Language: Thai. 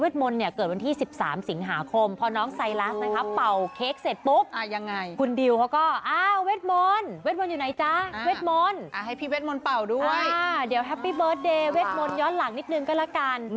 เดี๋ยวแฮปปี้เบิร์ตเดย์เวทมนต์ย้อนหลังนิดนึงก็แล้วกัน